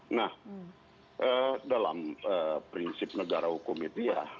nah dalam prinsip negara hukum itu ya